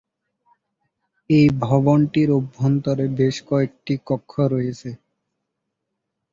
এই ভবনটির অভ্যন্তরে বেশকয়েকটি কক্ষ রয়েছে।